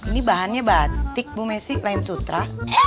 ini bahannya batik bu messi lain sutra